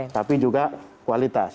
tapi juga kualitas